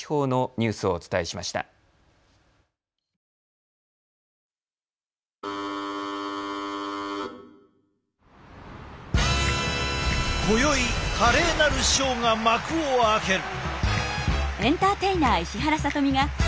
今宵華麗なるショーが幕を開ける。